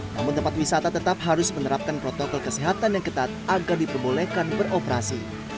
namun tempat wisata tetap harus menerapkan protokol kesehatan yang ketat agar diperbolehkan beroperasi